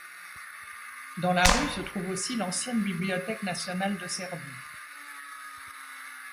Dans la rue se trouve aussi l'ancienne Bibliothèque nationale de Serbie.